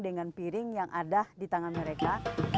dengan piring yang ada di tangan mereka